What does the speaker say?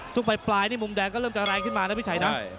ช่วงปลายนี่มุมแดงก็เริ่มจะแรงขึ้นมานะพี่ชัยนะ